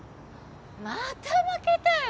また負けたよ